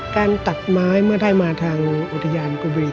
การตัดไม้เมื่อได้มาทางอุทยานกวี